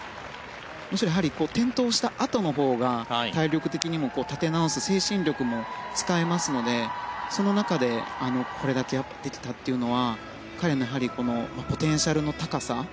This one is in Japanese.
むしろ転倒したあとのほうが体力的にも立て直す精神力も使いますのでその中でこれだけできたというのは彼のポテンシャルの高さ。